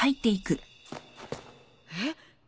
えっ？